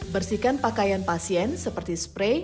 bersihkan pakaian pasien seperti spray